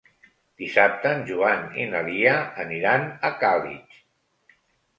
Dissabte en Joan i na Lia aniran a Càlig.